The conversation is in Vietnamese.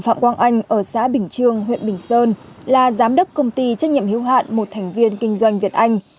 phạm quang anh ở xã bình trương huyện bình sơn là giám đốc công ty trách nhiệm hiếu hạn một thành viên kinh doanh việt anh